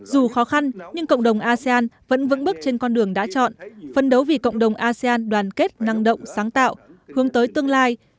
dù khó khăn nhưng cộng đồng asean vẫn vững bước trên con đường đã chọn phân đấu vì cộng đồng asean đoàn kết năng động sáng tạo hướng tới tương lai